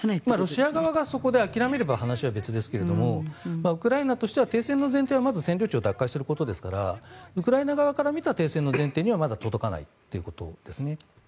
ロシア側がそこで諦めれば話は別ですけれどもウクライナとしては停戦の前提はまず占領地を奪還することですからウクライナ側から見た停戦の前提にはまだ届かないということですね。